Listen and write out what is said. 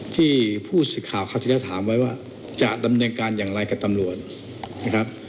ที่ผู้สิข่าวข้าธิแล้วถามไว้ว่าจะอย่างไรกับตำรวจนะครับ